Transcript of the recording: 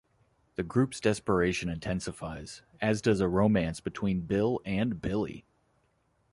The group's desperation intensifies, as does a romance between Bill and Billie.